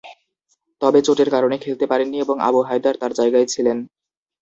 তবে চোটের কারণে খেলতে পারেননি এবং আবু হায়দার তার জায়গায় ছিলেন।